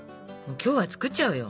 今日は作っちゃおうよ。